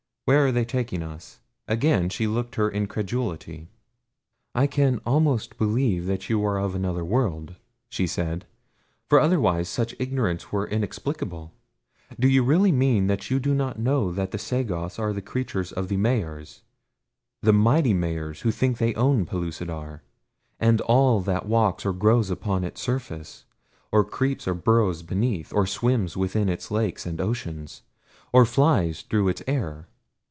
"Where are they taking us?" Again she looked her incredulity. "I can almost believe that you are of another world," she said, "for otherwise such ignorance were inexplicable. Do you really mean that you do not know that the Sagoths are the creatures of the Mahars the mighty Mahars who think they own Pellucidar and all that walks or grows upon its surface, or creeps or burrows beneath, or swims within its lakes and oceans, or flies through its air?